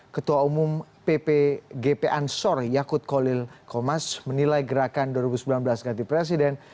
ketua umum ppgp ansor yakut kolil komas menilai gerakan dua ribu sembilan belas ganti presiden